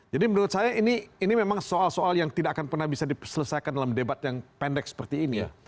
jadi menurut saya ini memang soal soal yang tidak akan pernah bisa diselesaikan dalam debat yang pendek seperti ini